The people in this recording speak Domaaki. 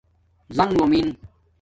زنݣ لُومن